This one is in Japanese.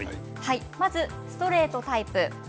まずストレートタイプ。